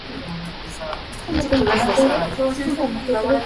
The rain-maker is in the estimation of the people no mean personage.